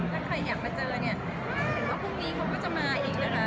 ถ้าใครอยากมาเจอเนี่ยเห็นว่าพรุ่งนี้เขาก็จะมาอีกนะคะ